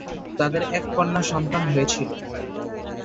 তাদের এক কন্যা সন্তান হয়েছিল।